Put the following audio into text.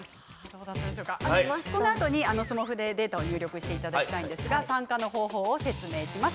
スマホでデータを入力していただきたいですが参加の方法を説明します。